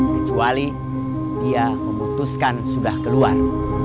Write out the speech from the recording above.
kecuali dia memutuskan sudah keluar